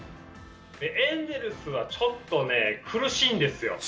エンゼルスはちょっと苦しいんですよ。